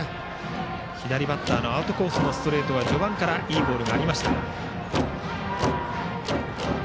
左バッターのアウトコースへのストレートは序盤からいいボールがありました。